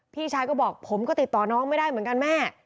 พี่ชายก็บอกผมก็ติดต่อน้องไม่ได้เหมือนกันแม่